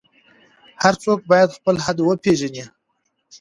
هر څوک باید خپل حد وپیژني.